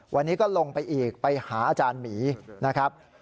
วันนี้ก็ลงไปอีกไปหาอาจารย์หมีนะครับ